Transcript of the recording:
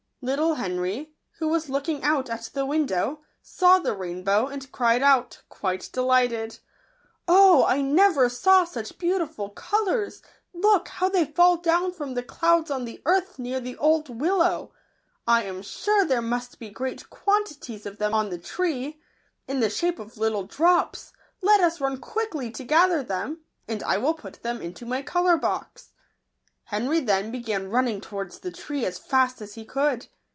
( Little Henry, who was looking out at the window, saw the rainbow, and cried out, quite delighted, " Oh, I never saw such beau tiful colours ! Look, how they fall down from the clouds on the earth near the old willow! I am sure there must be great quantities of them on the tree, in the shape of little drops. Let us run quickly to gather ( them, and I will put them into my colour box." Henry then began running towards the tree as fast as he could.